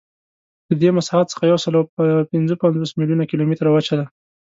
له دې مساحت څخه یوسلاوپینځهپنځوس میلیونه کیلومتره وچه ده.